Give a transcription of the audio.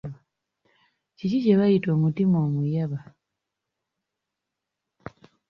Kiki kye bayita omutima omuyaba?